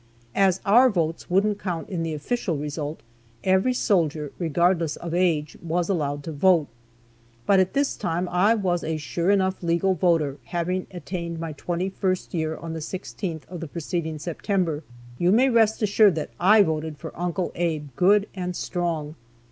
As our votes wouldn't count in the official result, every soldier, regardless of age, was allowed to vote. But at this time I was a sure enough legal voter, having attained my twenty first year on the 16th of the preceding September. You may rest assured that I voted for "Uncle Abe" good and strong.